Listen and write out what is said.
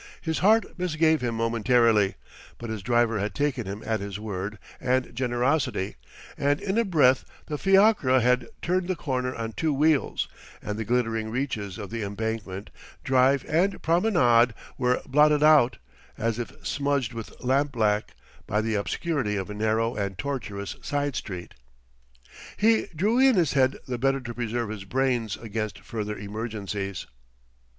His heart misgave him momentarily; but his driver had taken him at his word and generosity, and in a breath the fiacre had turned the corner on two wheels, and the glittering reaches of the embankment, drive and promenade, were blotted out, as if smudged with lamp black, by the obscurity of a narrow and tortuous side street. He drew in his head the better to preserve his brains against further emergencies.